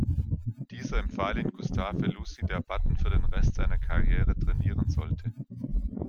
Dieser empfahl ihn Gustave Lussi, der Button für den Rest seiner Karriere trainieren sollte.